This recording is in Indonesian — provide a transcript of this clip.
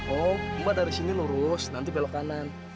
oh mbak dari sini lurus nanti belok kanan